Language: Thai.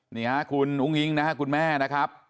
นี่ค่ะคุณอุ้งอิงนะครับคุณแม่นะครับ